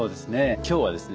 今日はですね